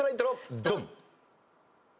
ドン！